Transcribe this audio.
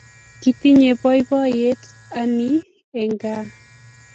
kitinye boiboiyet ani en gaa